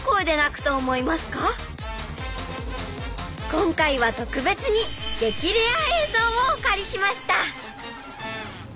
今回は特別に激レア映像をお借りしました。